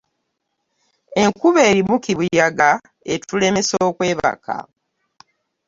Enkuba erimu kibuyaga etulemesa okwebaka .